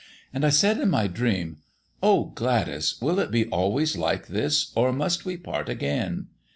And I said in my dream "Oh, Gladys, will it be always like this, or must we part again?"